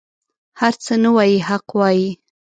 هر څه نه وايي حق وايي.